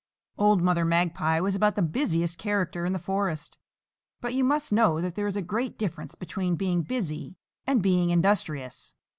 OLD Mother Magpie was about the busiest character in the forest. But you must know that there is a great difference between being busy and being industrious.